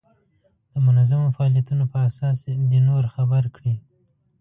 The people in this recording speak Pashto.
د منظمو فعالیتونو په اساس دې نور خبر کړي.